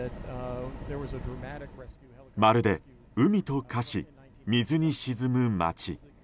まるで海と化し水に沈む街。